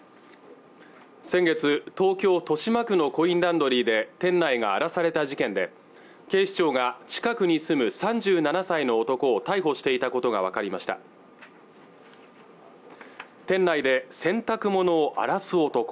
先月東京・豊島区のコインランドリーで店内が荒らされた事件で警視庁が近くに住む３７歳の男を逮捕していたことが分かりました店内で洗濯物を荒らす男